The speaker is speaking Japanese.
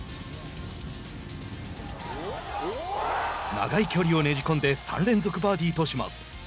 長い距離をねじ込んで３連続バーディーとします。